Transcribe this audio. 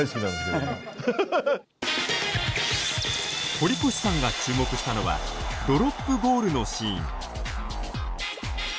堀越さんが注目したのはドロップゴールのシーン。